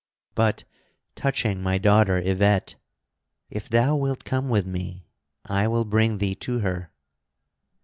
But, touching my daughter Yvette, if thou wilt come with me I will bring thee to her."